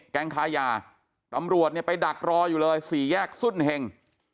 แก๊งค้ายาตำรวจเนี่ยไปดักรออยู่เลยสี่แยกสุ่นเห็ง